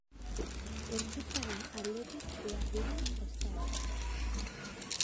Gorputzaren aldetik behar diren prestaerak.